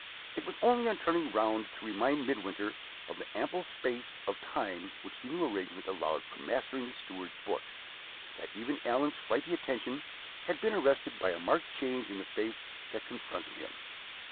It was only on turning round to remind Midwinter of the ample space of time which the new arrangement allowed for mastering the steward's books, that even Allan's flighty attention had been arrested by a marked change in the face that confronted him.